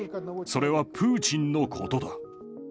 それはプーチンのことだ。